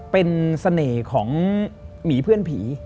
เป็นเสน่ห์ของหมีเพื่อนผี